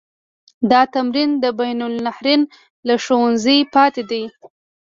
دا تمرین د بین النهرین له ښوونځي پاتې دی.